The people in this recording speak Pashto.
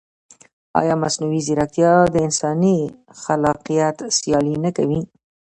ایا مصنوعي ځیرکتیا د انساني خلاقیت سیالي نه کوي؟